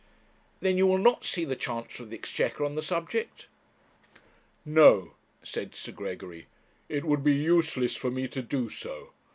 'Then you will not see the Chancellor of the Exchequer on the subject?' 'No,' said Sir Gregory; 'it would be useless for me to do so.